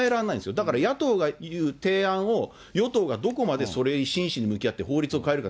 だから野党が言う提案を与党がどこまで、それに真摯に向き合って法律を変えるか。